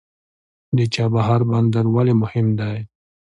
د چابهار بندر ولې مهم دی؟